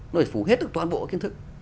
nó phải phủ hết được toàn bộ kiến thức